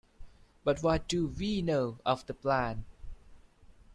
But what do we know of the plan?